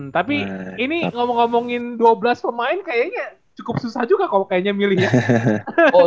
tapi ngomong ngomongin dua belas pemain cukup susah juga kalau milih